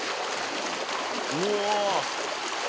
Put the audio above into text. うわ！